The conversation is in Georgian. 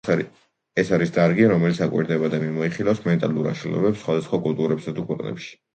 ეს არის დარგი, რომელიც აკვირდება და მიმოიხილავს მენტალურ აშლილობებს სხვადასხვა კულტურებში თუ ქვეყნებში.